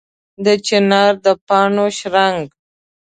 د چنار د پاڼو شرنګ